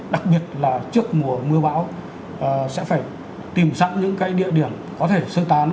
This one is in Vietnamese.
đặc biệt là trước mùa mưa bão sẽ phải tìm sẵn những địa điểm có thể sơ tán